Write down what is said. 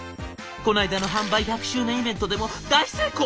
こないだの販売１００周年イベントでも大成功！